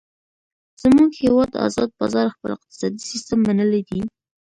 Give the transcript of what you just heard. زمونږ هیواد ازاد بازار خپل اقتصادي سیستم منلی دی.